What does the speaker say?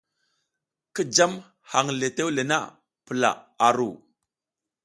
Ki jam hang le tewle na, pula a ru.